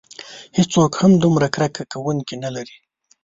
هیڅوک هم دومره کرکه کوونکي نه لري.